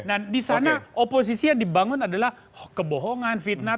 nah di sana oposisi yang dibangun adalah kebohongan fitnah